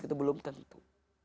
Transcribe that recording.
itu belum tentu